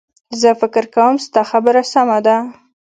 زه فکر کوم ستا خبره سمه ده